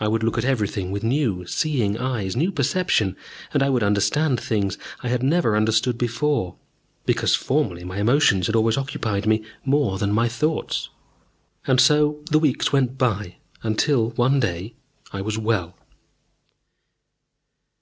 I would look at everything with new, seeing eyes, new perception, and I would understand things I had never understood before, because formerly my emotions had always occupied me more than my thoughts. And so the weeks went by, until, one day, I was well.